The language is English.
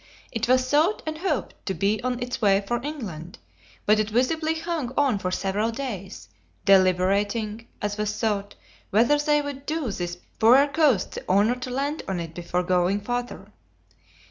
It was thought and hoped to be on its way for England, but it visibly hung on for several days, deliberating (as was thought) whether they would do this poorer coast the honor to land on it before going farther.